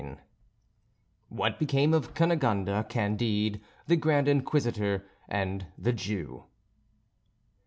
IX WHAT BECAME OF CUNEGONDE, CANDIDE, THE GRAND INQUISITOR, AND THE JEW.